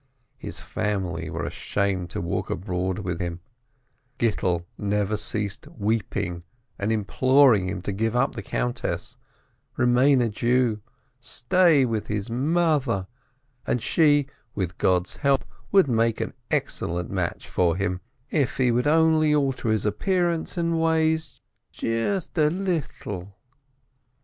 His family were ashamed to walk abroad with him, Gittel never ceased weeping and imploring him to give up the countess, remain a Jew, stay with his mother, and she, with God's help, would make an excellent match for him, if he would only alter his appearance and ways just a little.